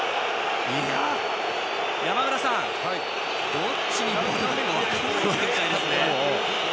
山村さんどっちにボールが行くか分からない展開ですね。